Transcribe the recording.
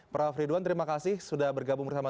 prof ridwan terima kasih sudah bergabung bersama